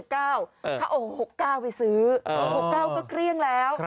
เขาเอา๖๙ไปซื้อ๖๙ก็เกลี้ยงแล้ว